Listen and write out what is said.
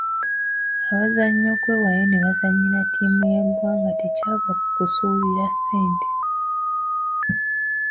Abazannyi okwewaayo ne bazannyira ttiimu y’eggwanga tekyava ku kusuubira ssente.